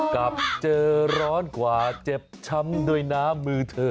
กลับเจอร้อนกว่าเจ็บช้ำด้วยน้ำมือเธอ